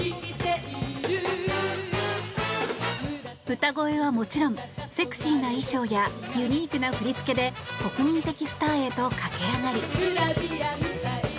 歌声はもちろんセクシーな衣装やユニークな振り付けで国民的スターへと駆け上がり。